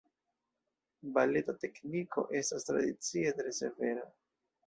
Baleta tekniko estas tradicie tre severa.